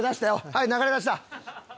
はい流れだした！